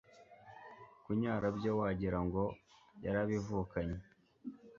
kunyara byo wagira ngo yarabivukanye